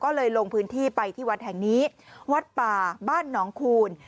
ก็เลยลงพื้นที่ไปที่วัดแห่งนี้วัดป่าบ้านหนองคูณ